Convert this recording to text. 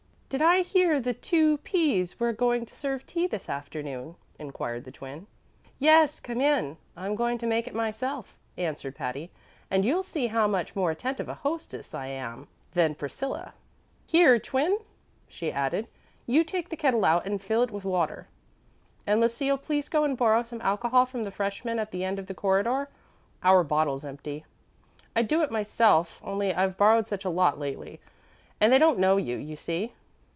"Did I hear the two P's were going to serve tea this afternoon?" inquired the Twin. "Yes; come in. I'm going to make it myself," answered Patty, "and you'll see how much more attentive a hostess I am than Priscilla. Here, Twin," she added, "you take the kettle out and fill it with water; and, Lucille, please go and borrow some alcohol from the freshmen at the end of the corridor; our bottle's empty. I'd do it myself, only I've borrowed such a lot lately, and they don't know you, you see.